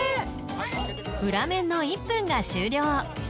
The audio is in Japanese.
［裏面の１分が終了］